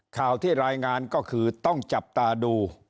ข่าวที่รายงานก็คือต้องจับตาดู